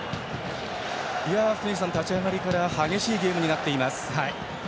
福西さん、立ち上がりから激しいゲームになっています。